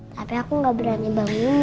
tapi aku gak berani bangunin